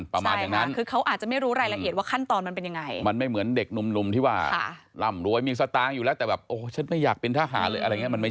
เป็นห่วงคุณแม่